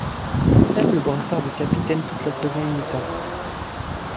Il porte même le brassard de capitaine toute la seconde mi-temps.